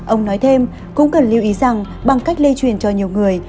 ông nói thêm cũng cần lưu ý rằng bằng cách lây truyền cho nhiều người